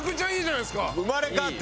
生まれ変わった。